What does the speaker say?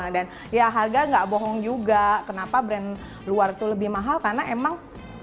dan ya harga nggak bohong juga kenapa brand luar itu lebih mahal karena emang